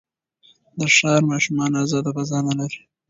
د ښار ماشومان ازاده فضا نه لري.